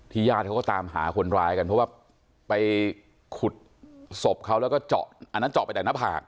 ญาติเขาก็ตามหาคนร้ายกันเพราะว่าไปขุดศพเขาแล้วก็เจาะอันนั้นเจาะไปแต่หน้าผาก